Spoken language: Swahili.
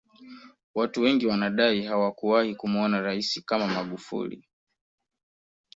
Watu wengi wanadai hawakuwahi kumuona rais kama magufuli